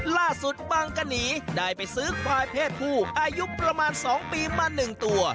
ล่าสุดบังกะหนีได้ไปซื้อควายเพศผู้อายุประมาณ๒ปีมา๑ตัว